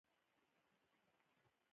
احمد د خپل پلار اوږه ور مضبوطه کړه.